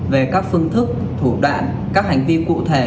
về các phương thức thủ đoạn các hành vi cụ thể